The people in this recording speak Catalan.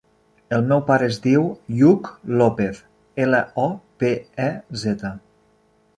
El meu pare es diu Lluc Lopez: ela, o, pe, e, zeta.